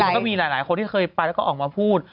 ก็มีหลายคนที่เคยไปงั้นก็ก็ออกมาพูด